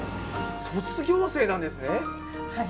卒業生なんですね。